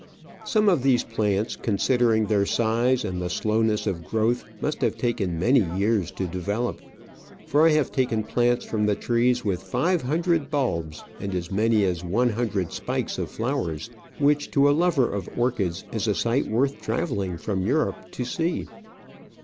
Some of these plants, considering their size and the slowness of growth, must have taken many years to develop, for I have taken plants from the trees with five hundred bulbs, and as many as one hundred spikes of flowers, which to a lover of orchids is a sight worth travelling from Europe to see.